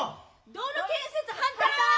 道路建設反対！